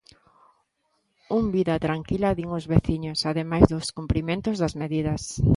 Un vida tranquila din os veciños, ademais do cumprimento das medidas.